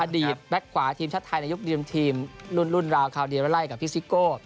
อดีตแปลกขวาทีมชาติไทยในยุคริมทีมรุ่นราวคาวเดียร์ละไล่กับฟิสิโก